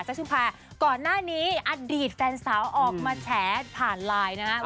ชุมภาก่อนหน้านี้อดีตแฟนสาวออกมาแฉผ่านไลน์นะครับ